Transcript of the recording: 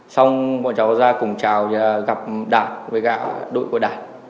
xong bọn cháu ra cùng chào gặp đạt với đội của đạt